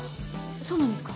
そうなんですか？